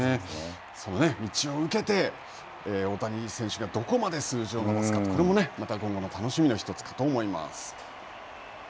その道を受けて、大谷選手がどこまで数字を伸ばすか、これも今後の楽しみの１つかと思います。